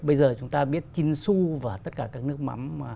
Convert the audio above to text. bây giờ chúng ta biết chinsu và tất cả các nước mắm